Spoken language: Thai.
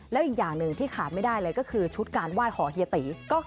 แล้วอีกอย่างหนึ่งที่ขาดไม่ได้เลยก็คือชุดการไหว้หอเฮียตี